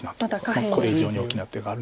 これ以上に大きな手があるのかどうか。